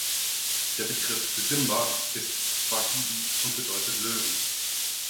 Der Begriff "Simba" ist Swahili und bedeutet Löwen.